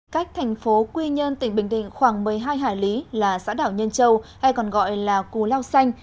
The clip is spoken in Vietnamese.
cách thành phố quy nhơn tỉnh bình định khoảng một mươi hai hải lý là xã đảo nhân châu hay còn gọi là cù lao xanh